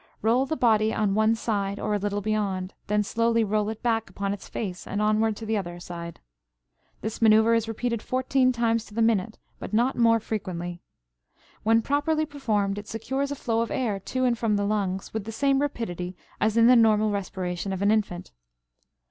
Roll the body on one side or a little beyond; then slowly roll it back upon its face and onward to the other side. This maneuver is repeated fourteen times to the minute, but not more frequently. When properly performed it secures a flow of air to and from the lungs with the same rapidity as in the normal respiration of an infant.